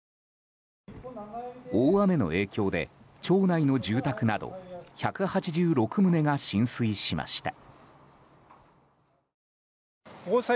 大雨の影響で町内の住宅など１８６棟が浸水しました。